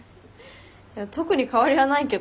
特に変わりはないけど。